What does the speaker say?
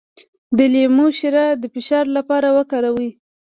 د لیمو شیره د فشار لپاره وکاروئ